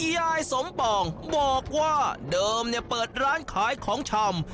ยายสมปองบอกว่าเดิมเปิดร้านขายของชำ